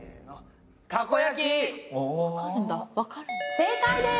正解です！